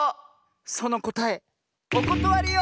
そのこたえおことわりよ！